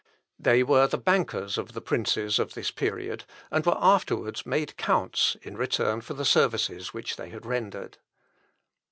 They were the bankers of the princes of this period, and were afterwards made counts in return for the services which they had rendered.